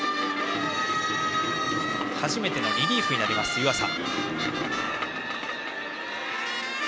初めてのリリーフになります湯浅。